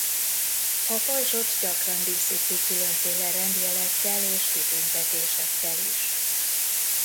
A pajzsot gyakran díszítik különféle rendjelekkel és kitüntetésekkel is.